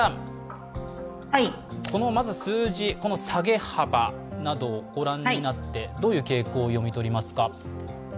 まずこの数字、下げ幅などをご覧になって、どういう傾向を読み取りますか。